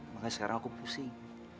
makanya sekarang aku pusing